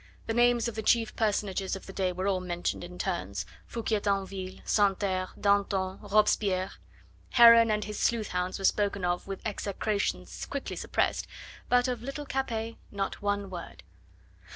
The names of the chief personages of the day were all mentioned in turns Focquier Tinville, Santerre, Danton, Robespierre. Heron and his sleuth hounds were spoken of with execrations quickly suppressed, but of little Capet not one word.